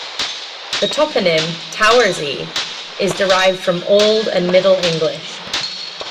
The toponym "Towersey" is derived from Old and Middle English.